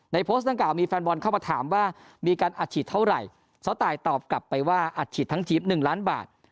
โพสต์ดังกล่ามีแฟนบอลเข้ามาถามว่ามีการอัดฉีดเท่าไหร่สาวตายตอบกลับไปว่าอัดฉีดทั้งทีป๑ล้านบาท